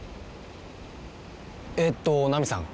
えっとナミさん。